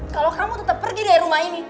kalau kamu tetap pergi dari rumah ini